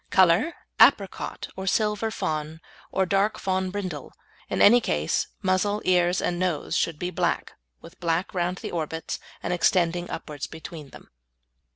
Colour, apricot or silver fawn, or dark fawn brindle. In any case, muzzle, ears, and nose should be black, with black round the orbits, and extending upwards between them.